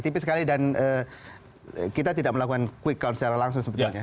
tipis sekali dan kita tidak melakukan quick count secara langsung sebetulnya